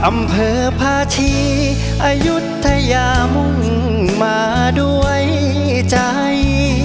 อำเภอพาชีอายุทยามุ่งมาด้วยใจ